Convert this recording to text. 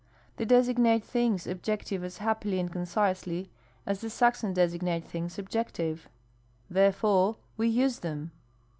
They designate things objective as happily and concisely as the Saxon designates things subjective ; there fore we use them."